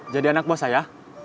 jadi anak bos saya